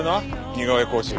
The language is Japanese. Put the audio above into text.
似顔絵講習。